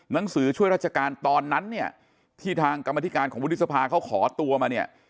หนังสือช่วยราชการตอนนั้นเนี่ยที่ทางกรรมธิการของวุฒิสภาเขาขอตัวมาเนี่ย